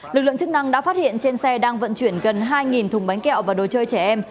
lực lượng chức năng đã phát hiện trên xe đang vận chuyển gần hai thùng bánh kẹo và đồ chơi trẻ em